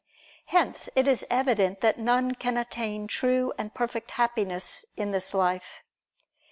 Hence it is evident that none can attain true and perfect Happiness in this life.